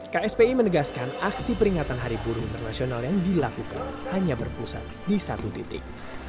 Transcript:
kspi menegaskan aksi peringatan hari buruh internasional yang dilakukan hanya berpusat di satu titik